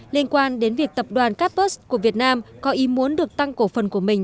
liên quan đến việc tập đoàn carbus của việt nam có ý muốn được tăng cổ phần của mình